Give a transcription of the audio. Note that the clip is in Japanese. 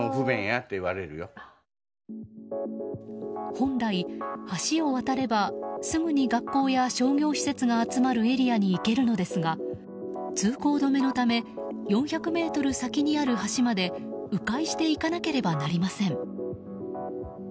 本来、橋を渡ればすぐに学校や商業施設が集まるエリアに行けるのですが通行止めのため４００ｍ先にある橋まで迂回して行かなければなりません。